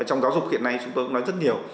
trong giáo dục hiện nay chúng tôi cũng nói rất nhiều